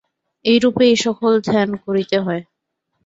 এইরূপে এই সকল ধ্যান করিতে হয়।